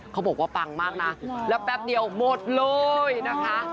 เขาบอกว่าปังมากนะแล้วแป๊บเดียวหมดเลยนะคะ